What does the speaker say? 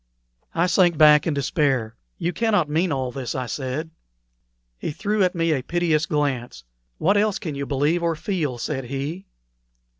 I sank back in despair. "You cannot mean all this," I said. He threw at me a piteous glance. "What else can you believe or feel?" said he.